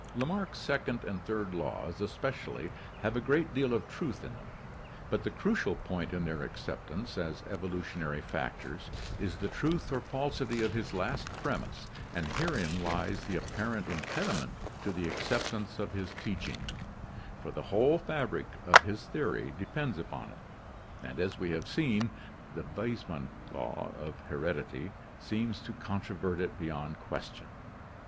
— Lamarck's second and third laws especially have a great deal of truth in them, but the crucial point in their acceptance as evolutionary factors is the truth or falsity of his last premise and herein lies the apparent impediment to the acceptance of his teaching, for the whole fabric of his theory de pends upon it, and as we have seen, the Weismann law of heredity seems to controvert it beyond question.